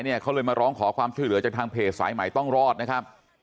เขาเลยมาร้องขอความช่วยเหลือจากทางเพจสายใหม่ต้องรอดนะครับ